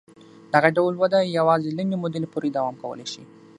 دغه ډول وده یوازې لنډې مودې پورې دوام کولای شي.